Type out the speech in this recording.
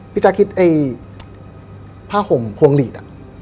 แจ๊คคิดไอ้ผ้าห่มพวงหลีด